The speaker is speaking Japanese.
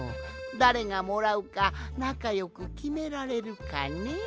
だれがもらうかなかよくきめられるかね？